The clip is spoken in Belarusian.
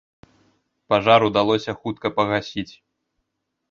Пажар удалося хутка пагасіць.